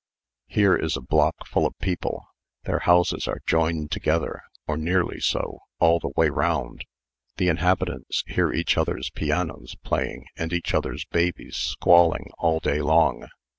"Here is a block full of people. Their houses are joined together, or nearly so, all the way round. The inhabitants hear each other's pianos playing and each other's babies squalling all day long.